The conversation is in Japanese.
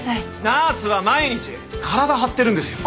ナースは毎日体張ってるんですよ。